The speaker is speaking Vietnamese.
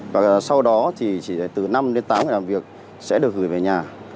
và sau đó thì chỉ từ năm đến tám ngày làm việc sẽ được gửi về nhà